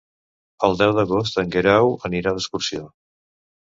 El deu d'agost en Guerau anirà d'excursió.